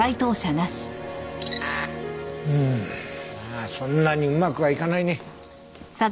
まあそんなにうまくはいかないね。